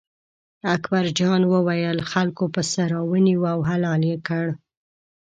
اکبر جان وویل: خلکو پسه را ونیوه او حلال یې کړ.